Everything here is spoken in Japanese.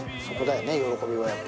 そこだよね喜びは。